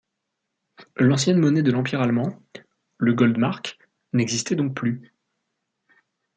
L'ancienne monnaie de l'Empire allemand, le Goldmark, n'existait donc plus.